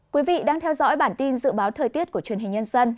quý vị đang theo dõi bản tin dự báo thời tiết của truyền hình nhân dân